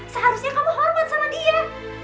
seharusnya kamu hormat sama dia